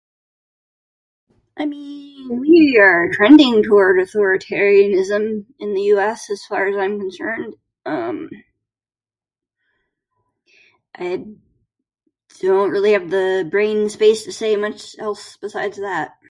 I mean, we are trending towards authoritarianism in the US, as far as I'm concerned. Um.. I don't really have the brain space to say much else besides that.